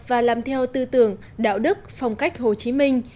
và làm theo tư tưởng đạo đức phong cách hồ chí minh